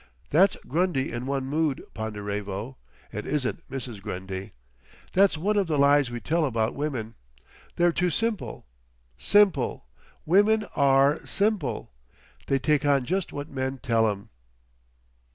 "That's Grundy in one mood, Ponderevo. It isn't Mrs. Grundy. That's one of the lies we tell about women. They're too simple. Simple! Woman ARE simple! They take on just what men tell 'em."